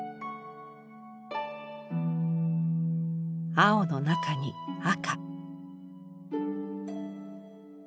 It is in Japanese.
青の中に赤。